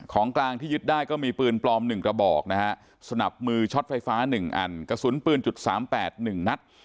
ของกลางที่ยึดได้ก็มีปืนปลอม๑กระบอกนะฮะสนับมือช็อตไฟฟ้า๑อันกระสุนปืน๓๘๑นัด